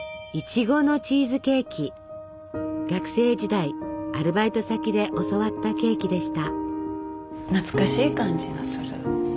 学生時代アルバイト先で教わったケーキでした。